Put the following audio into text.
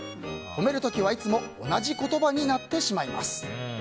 褒める時はいつも同じ言葉になってしまいます。